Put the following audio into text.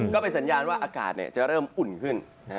ก็เป็นสัญญาณว่าอากาศจะเริ่มอุ่นขึ้น